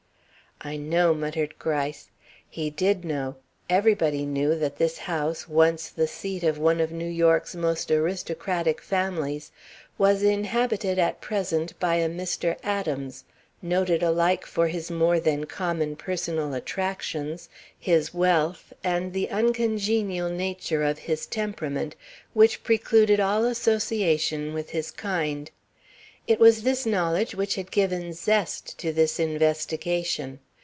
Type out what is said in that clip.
"I know," muttered Mr. Gryce. He did know, everybody knew, that this house, once the seat of one of New York's most aristocratic families, was inhabited at present by a Mr. Adams, noted alike for his more than common personal attractions, his wealth, and the uncongenial nature of his temperament, which precluded all association with his kind. It was this knowledge which had given zest to this investigation.